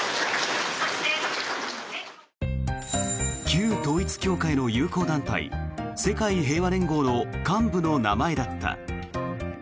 旧統一教会の友好団体世界平和連合の幹部の名前だった。